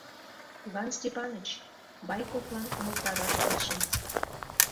— Иван Степаныч, — Байковлан умылтараш тыршем.